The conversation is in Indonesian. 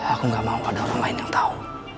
aku gak mau pada orang lain yang tahu